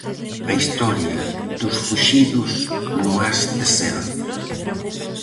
A historia dos fuxidos no As de Sel.